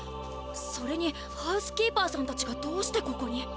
それにハウスキーパーさんたちがどうしてここに？